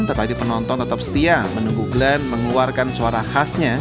tetapi penonton tetap setia menunggu glenn mengeluarkan suara khasnya